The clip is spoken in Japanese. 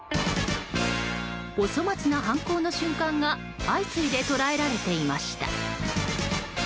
お粗末な犯行の瞬間が相次いで捉えられていました。